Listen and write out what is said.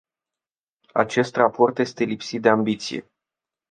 Acest raport este lipsit de ambiție.